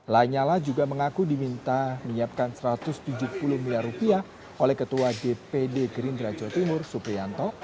lanyala juga mengaku diminta menyiapkan satu ratus tujuh puluh miliar rupiah oleh ketua dpd gerindra jawa timur suprianto